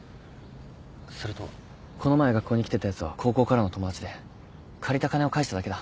それとこの前学校に来てたやつは高校からの友達で借りた金を返しただけだ。